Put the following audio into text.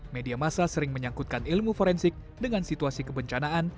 media masa sering menyangkutkan ilmu forensik dengan situasi kebencanaan